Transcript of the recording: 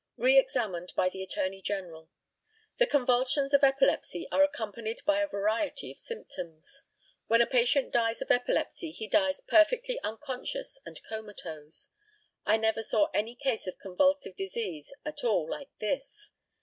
Re examined by the ATTORNEY GENERAL: The convulsions of epilepsy are accompanied by a variety of symptoms. When a patient dies of epilepsy he dies perfectly unconscious and comatose. I never saw any case of convulsive disease at all like this.